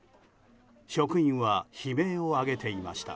職員は悲鳴を上げていました。